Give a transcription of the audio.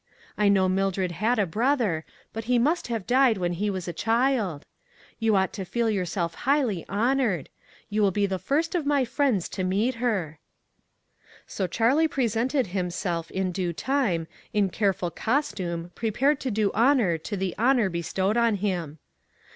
I know Mildred had a brother, but he" must have died when he was a child. You ought to feel yourself highly honored. You will be the first of my friends to meet her." THINGS HARD TO EXPLAIN. 63 So Charlie presented himself in due time in careful costume prepared to do honor to the honor bestowed on him.